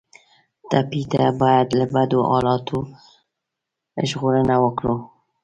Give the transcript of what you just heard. ټپي ته باید له بدو حالاتو ژغورنه ورکړو.